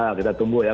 ya kita tunggu ya